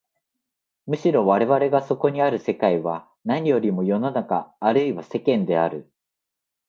むしろ我々がそこにある世界は何よりも世の中あるいは世間である。